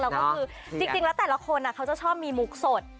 แล้วแต่ละคนก็จะชอบมีมุกสด